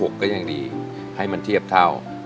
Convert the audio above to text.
ก็ยังดีให้มันเทียบเท่า